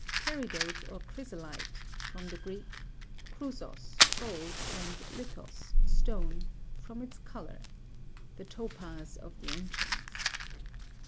Peridote, or Chrysolite (from the Greek, chrusos^ gold, and lithos, stone), from its colour. The topaz of the ancients.